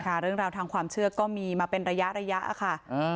เรื่องราวทางความเชื่อก็มีมาเป็นระยะระยะค่ะ